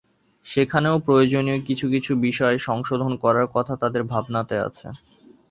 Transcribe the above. সেখানেও প্রয়োজনীয় কিছু কিছু বিষয় সংশোধন করার কথা তাঁদের ভাবনাতে আছে।